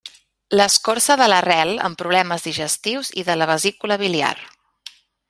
L'escorça de l'arrel en problemes digestius i de la vesícula biliar.